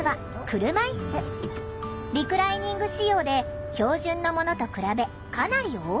リクライニング仕様で標準のものと比べかなり大きい。